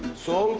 そう。